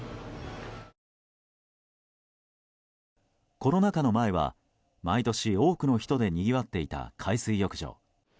コロナ禍の前は毎年多くの人でにぎわっていた海水浴場。